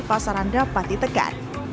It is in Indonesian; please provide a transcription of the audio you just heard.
pasaran dapat ditegak